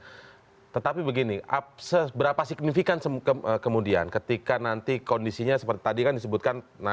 nah tetapi begini seberapa signifikan kemudian ketika nanti kondisinya seperti tadi kan disebutkan